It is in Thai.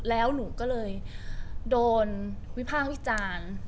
แล้วหนูก็เลยโดนวิภาควิจารณ์